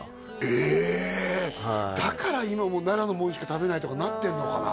ええだから今もう奈良のもんしか食べないとかになってんのかな？